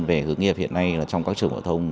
về hướng nghiệp hiện nay trong các trường hội thông